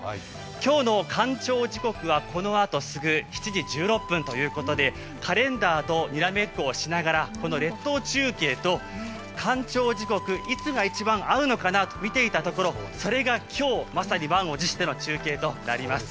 今日の干潮時刻はこのあとすぐ７次６分ということでカレンダーとにらめっこをしながらこの列島中継と干潮時刻、いつが一番合うのか見ていたところそれが今日、まさに満を持しての中継となります。